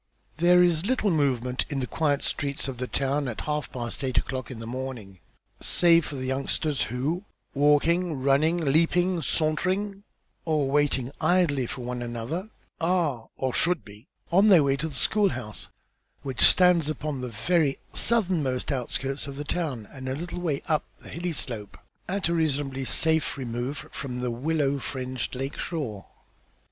There is little movement in the quiet streets of the town at half past eight o'clock in the morning, save for the youngsters who, walking, running, leaping, sauntering or waiting idly, one for another, are, or should be, on their way to the school house which stands upon the very southernmost outskirts of the town, and a little way up the hilly slope, at a reasonably safe remove from the willow fringed lake shore.